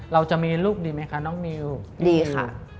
เราจะมีลูกดีไหมคะน้องมิวดีค่ะ